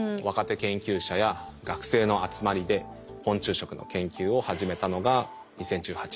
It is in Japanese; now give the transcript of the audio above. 若手研究者や学生の集まりで昆虫食の研究を始めたのが２０１８年です。